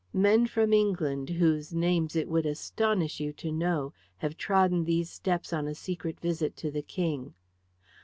Men from England, whose names it would astonish you to know, have trodden these steps on a secret visit to the King.